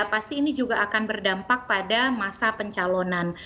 pasti ini juga akan berdampak pada masa pencalonan